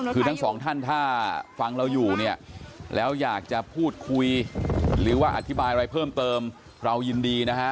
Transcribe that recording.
คือทั้งสองท่านถ้าฟังเราอยู่เนี่ยแล้วอยากจะพูดคุยหรือว่าอธิบายอะไรเพิ่มเติมเรายินดีนะฮะ